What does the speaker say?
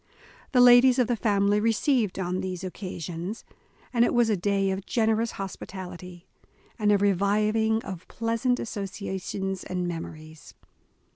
The ladies of the family received on these oc casions, and it was a day of generous hospitality, and a reviving of pleasant associations and memories.